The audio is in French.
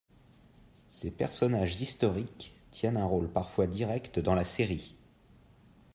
Ces personnages historiques tiennent un rôle parfois direct dans la série.